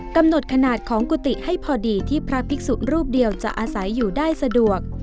กำหนดขนาดของกุฏิให้พอดีที่พระภิกษุรูปเดียวจะอาศัยอยู่ได้สะดวก